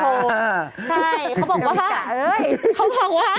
ใช่เขาบอกว่า